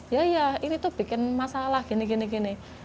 ya iya ini tuh bikin masalah gini gini